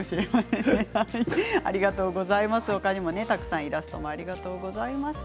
たくさんイラストありがとうございました。